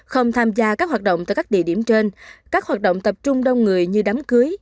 không tham gia các hoạt động tại các địa điểm trên các hoạt động tập trung đông người như đám cưới